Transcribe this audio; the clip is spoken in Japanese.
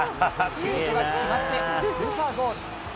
シュートが決まってスーパーゴー